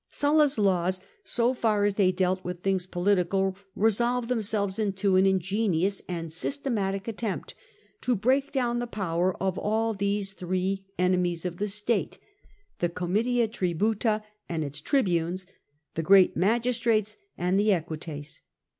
^^ulla's laws, so far as they dealt with things poEtical, resolve themselves into an ingenious and systematic ^erdpf'to break down the power of all these three enemies pf tbe Senate — the Comitia Tributa and ifsi tribunes, the great magistrates, and the equites.